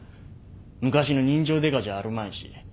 昔の人情デカじゃあるまいし。